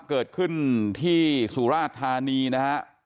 เกิดขึ้นที่สุราธารณีนะครับ